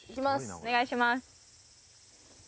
お願いします